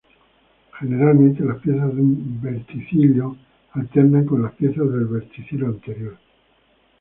Generalmente las piezas de un verticilo alternan con las piezas del verticilo anterior.